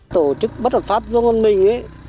tổ chức bất hợp pháp do ngân minh